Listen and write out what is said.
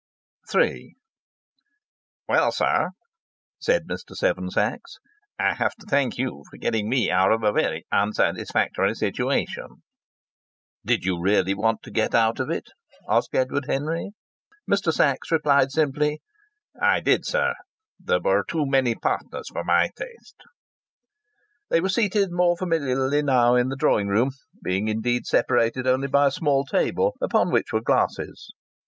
III "Well, sir," said Mr. Seven Sachs, "I have to thank you for getting me out of a very unsatisfactory situation." "Did you really want to get out of it?" asked Edward Henry. Mr. Sachs replied simply: "I did, sir. There were too many partners for my taste." They were seated more familiarly now in the drawing room, being indeed separated only by a small table, upon which were glasses.